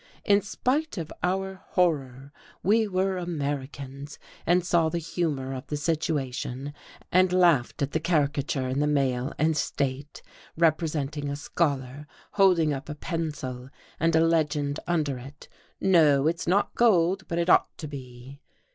In spite of our horror, we were Americans and saw the humour of the situation, and laughed at the caricature in the Mail and State representing a scholar holding up a pencil and a legend under it, "No, it's not gold, but it ought to be."